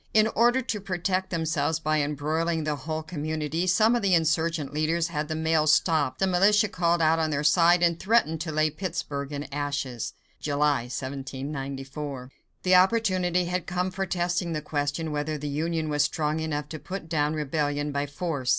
In order to protect themselves by embroiling the whole community, some of the insurgent leaders had the mail stopped, the militia called out on their side, and threatened to lay Pittsburg in ashes (July, 1794). The opportunity had come for testing the question whether the Union was strong enough to put down rebellion by force.